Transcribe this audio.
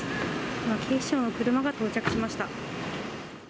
今、警視庁の車が到着しました。